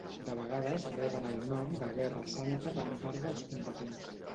De vegades reben el nom de guerra santa per part dels combatents.